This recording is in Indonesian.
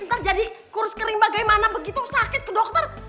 ntar jadi kurs kering bagaimana begitu sakit ke dokter